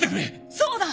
そうだ！